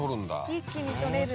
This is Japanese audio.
一気にとれる。